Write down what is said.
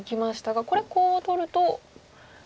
これコウを取ると。